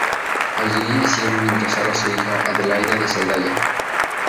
Allí hicieron ingresar a su hija Adelaida de Cerdaña.